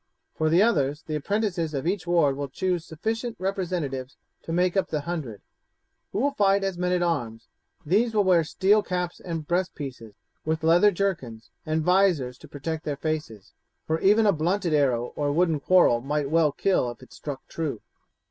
For the others, the apprentices of each ward will choose sufficient representatives to make up the hundred, who will fight as men at arms; these will wear steel caps and breastpieces, with leather jerkins, and vizors to protect their faces, for even a blunted arrow or wooden quarrel might well kill if it struck true."